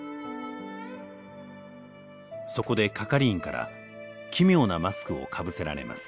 そこで係員から奇妙なマスクをかぶせられます。